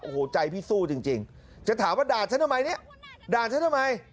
โอ้โหใจพี่สู้จริงจะถามว่าด่าฉันทำไมเนี่ยด่าฉันทำไม